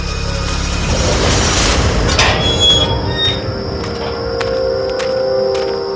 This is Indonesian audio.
dan cahaya yang muda sangat memiliki